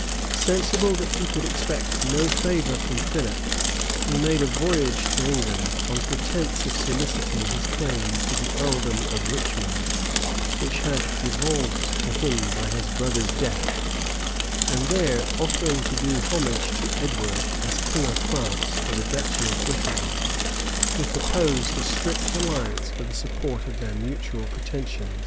[] Sensible that he could expect no favor from Philip, he made a voyage to England, on pretence of soliciting his claim to the earldom of Richmond, which had devolved to him by his brother's death; and there, offering to do homage to Edward, as king of France, for the duchy of Brittany, he proposed a strict alliance for the support of their mutual pretensions.